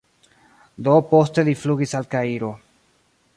Do poste li flugis al Kairo.